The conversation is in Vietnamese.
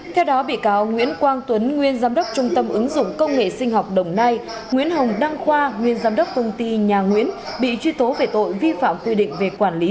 theo đó bị cáo nguyễn quang tuấn nguyên giám đốc trung tâm ứng dụng công nghệ sinh học đồng nai nguyễn hồng đăng khoa nguyên giám đốc công ty nhà nguyễn bị truy tố về tội vi phạm quy định về quản lý